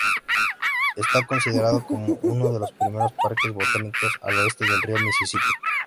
Está considerado como uno de los primeros parques botánicos al oeste del río Mississippi.